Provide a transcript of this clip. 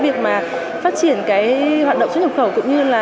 phát triển hoạt động xuất nhập khẩu cũng như